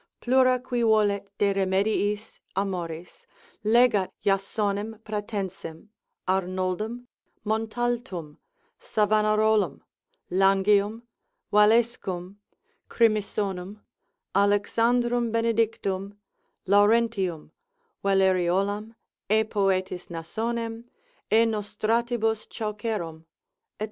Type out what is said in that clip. Plura qui volet de remediis amoris, legat Jasonem Pratensem, Arnoldum, Montaltum, Savanarolum, Langium, Valescum, Crimisonum, Alexandrum Benedictum, Laurentium, Valleriolam, e Poetis Nasonem, e nostratibus Chaucerum, &c.